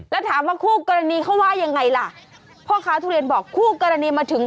แล้วถามว่าคู่กรณีเขาว่ายังไงล่ะพ่อค้าทุเรียนบอกคู่กรณีมาถึง